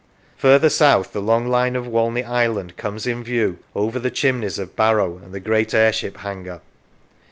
Further south the long line of Walney Island comes in view over the chimneys of Barrow and the great air ship hangar.